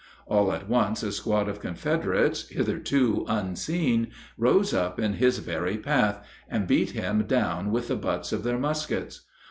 All at once a squad of Confederates, hitherto unseen, rose up in his very path, and beat him down with the butts of their muskets.